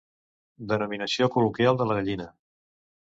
Denominació col·loquial de la gallina.